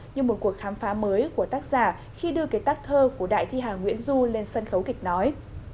như một cuộc khám phá mới của tác giả khi đưa cái tác thơ của đại thi hà nguyễn du lên sân khấu kịch nói